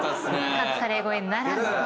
カツカレー超えならずと。